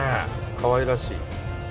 かわいらしい。